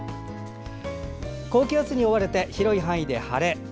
高気圧に覆われて広い範囲で晴れ。